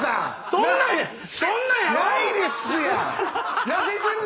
そんなんやろ⁉ないですやん！